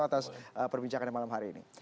atas perbincangannya malam hari ini